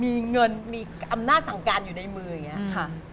มีเงินมีอำนาจสั่งการอยู่ในมืออย่างนี้ค่ะ